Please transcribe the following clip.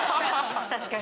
確かに。